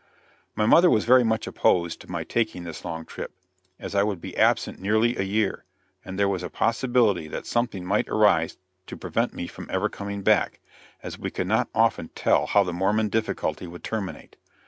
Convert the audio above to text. My mother was very much opposed to my taking this long trip, as I would be absent nearly a year, and there was a possibility that something might arise to prevent me from ever coming back, as we could not often tell how the Mormon difficulty would terminate.